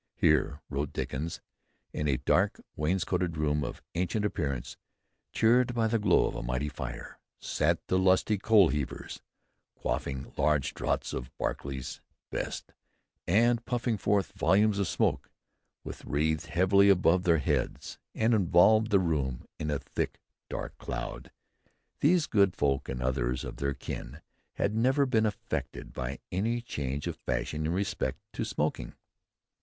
"Here," wrote Dickens, "in a dark wainscoted room of ancient appearance, cheered by the glow of a mighty fire ... sat the lusty coal heavers, quaffing large draughts of Barclay's best, and puffing forth volumes of smoke, which wreathed heavily above their heads, and involved the room in a thick dark cloud." These good folk and others of their kin had never been affected by any change of fashion in respect of smoking.